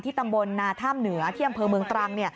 ตำบลนาท่ามเหนือที่อำเภอเมืองตรัง